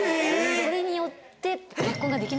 それによって。